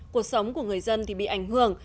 cuộc sống của người dân bị ảnh hưởng